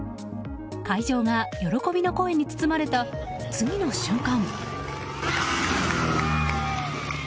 会場が喜びの声に包まれた次の瞬間。